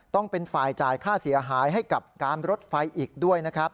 ต้องเป็นฝ่ายจ่ายค่าเสียหายให้กับการรถไฟอีกด้วยนะครับ